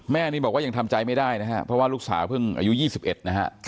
แม่นี่บอกว่ายังทำใจไม่ได้นะครับเพราะว่าลูกสาวเพิ่งอายุ๒๑นะฮะ